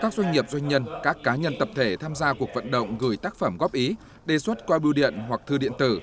các doanh nghiệp doanh nhân các cá nhân tập thể tham gia cuộc vận động gửi tác phẩm góp ý đề xuất qua bưu điện hoặc thư điện tử